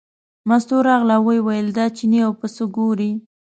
مستو راغله او ویې ویل دا چینی او پسه ګورې.